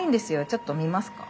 ちょっと見ますか？